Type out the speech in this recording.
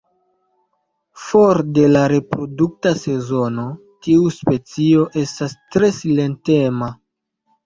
For de la reprodukta sezono tiu specio estas tre silentema.